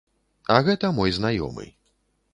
А гэта мой знаёмы.